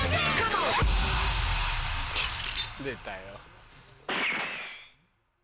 出たよ。